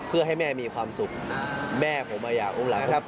เพื่อให้แม่มีความสุขแม่ผมอยากอุ้มหลานครับ